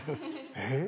えっ。